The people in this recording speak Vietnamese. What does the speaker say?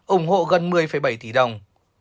ủng hộ gần một mươi bảy tỷ đồng